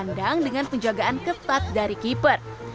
kandang dengan penjagaan ketat dari keeper